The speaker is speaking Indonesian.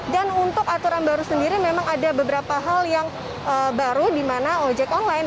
dan untuk aturan baru sendiri memang ada beberapa hal yang baru di mana ojek online